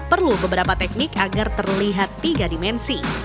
perlu beberapa teknik agar terlihat tiga dimensi